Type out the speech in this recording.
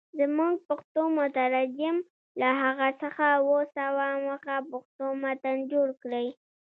زموږ پښتو مترجم له هغه څخه اووه سوه مخه پښتو متن جوړ کړی.